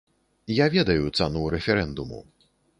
Я ведаю цану рэферэндуму.